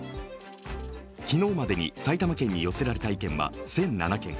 昨日までに埼玉県に寄せられた意見は１００７件。